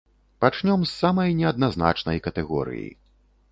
Пачнём з самай неадназначнай катэгорыі.